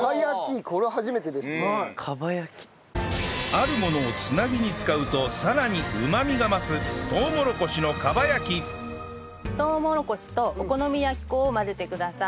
あるものを繋ぎに使うとさらにうまみが増すとうもろこしとお好み焼き粉を混ぜてください。